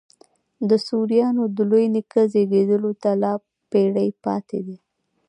د سوریانو د لوی نیکه زېږېدلو ته لا پېړۍ پاته دي.